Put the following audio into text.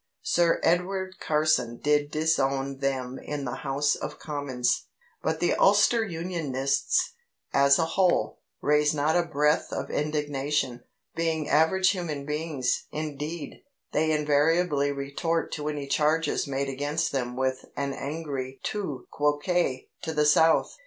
Sir Edward Carson did disown them in the House of Commons. But the Ulster Unionists, as a whole, raised not a breath of indignation. Being average human beings, indeed, they invariably retort to any charges made against them with an angry tu quoque to the South.